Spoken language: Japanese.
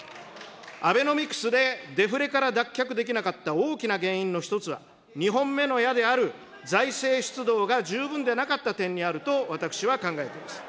アベノミクスでデフレから脱却できなかった大きな原因の一つは、２本目の矢である財政出動が十分でなかった点にあると私は考えています。